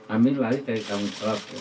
amin lari dari tanggung jawab